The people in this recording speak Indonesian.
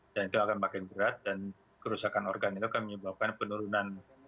dan itu akan makin berat dan kerusakan organ itu akan menyebabkan penurunan